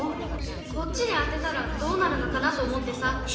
こっちに当てたらどうなるのかなと思ってさ。